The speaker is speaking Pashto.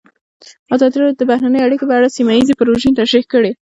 ازادي راډیو د بهرنۍ اړیکې په اړه سیمه ییزې پروژې تشریح کړې.